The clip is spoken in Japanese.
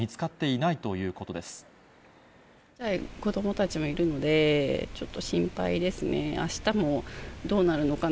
小さい子どもたちもいるので、ちょっと心配ですね。